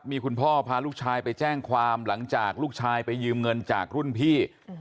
มีคุณพ่อพาลูกชายไปแจ้งความหลังจากลูกชายไปยืมเงินจากรุ่นพี่